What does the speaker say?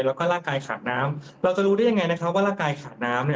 แล้วก็ร่างกายขาดน้ำเราจะรู้ได้อย่างไรนะครับ